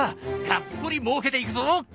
がっぽりもうけていくぞ！